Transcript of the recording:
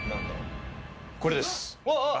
これです。